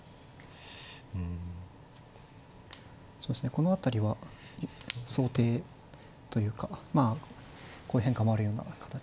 この辺りは想定というかまあこういう変化もあるような。